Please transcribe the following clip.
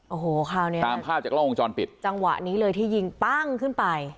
โอ้โหคราวนี้ตามภาพจากล้องวงจรปิดจังหวะนี้เลยที่ยิงปั้งขึ้นไป